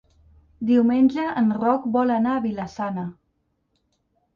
Diumenge en Roc vol anar a Vila-sana.